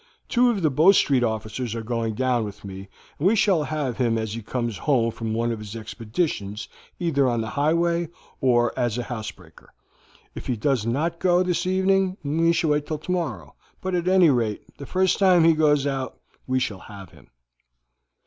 Two of the Bow Street officers are going down with me, and we shall have him as he comes home from one of his expeditions either on the highway or as a house breaker. If he does not go this evening we shall wait until tomorrow, but at any rate, the first time that he goes out we shall have him."